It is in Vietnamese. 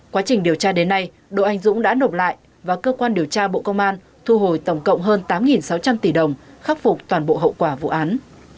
quá trình điều tra đến nay đỗ anh dũng đã nộp lại và cơ quan điều tra bộ công an thu hồi tổng cộng hơn tám sáu trăm linh tỷ đồng khắc phục toàn bộ hậu quả vụ án